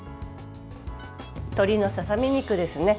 鶏のささ身肉ですね。